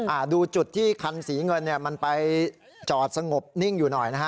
อ่าดูจุดที่คันสีเงินเนี่ยมันไปจอดสงบนิ่งอยู่หน่อยนะฮะ